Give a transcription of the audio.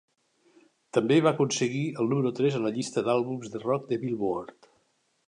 També va aconseguir el número tres a la llista d'àlbums de rock de Billboard.